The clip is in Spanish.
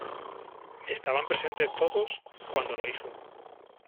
Estaban presentes todos, cuando lo hizo.